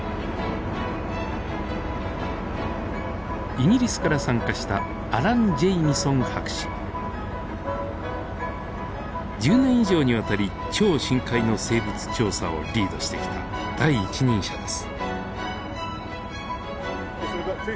イギリスから参加した１０年以上にわたり超深海の生物調査をリードしてきた第一人者です。